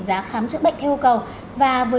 giá khám chữa bệnh theo yêu cầu và với